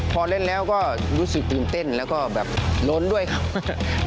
พอเล่นแล้วก็รู้สึกตื่นเต้นแล้วก็แบบล้นด้วยครับ